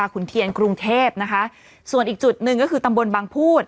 ขุนเทียนกรุงเทพนะคะส่วนอีกจุดหนึ่งก็คือตำบลบางพูด